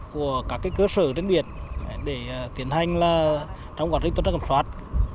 của các cơ sở trên biển để tiến hành trong quản lý tuần tra kiểm soát